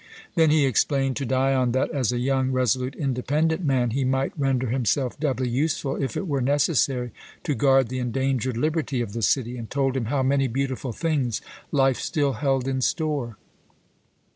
Then he explained to Dion that, as a young, resolute, independent man, he might render himself doubly useful if it were necessary to guard the endangered liberty of the city, and told him how many beautiful things life still held in store.